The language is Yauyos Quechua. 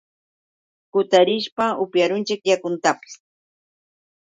kutarishpa upyarunchik yakuntapis.